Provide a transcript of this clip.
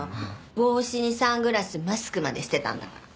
帽子にサングラスマスクまでしてたんだから。